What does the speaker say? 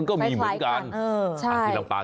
ก็มีเหมือนกัน